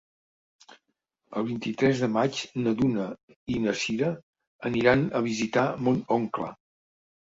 El vint-i-tres de maig na Duna i na Sira aniran a visitar mon oncle.